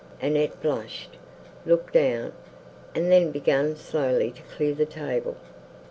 Annette blushed, looked down, and then began slowly to clear the table.